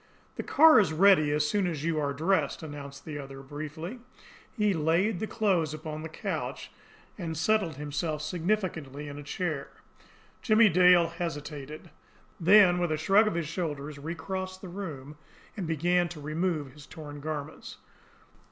"The car is ready as soon as you are dressed," announced the other briefly. He laid the clothes upon the couch and settled himself significantly in a chair. Jimmie Dale hesitated. Then, with a shrug of his shoulders, recrossed the room, and began to remove his torn garments.